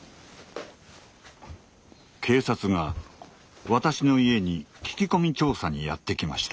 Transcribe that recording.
警察が私の家に聞き込み調査にやって来ました。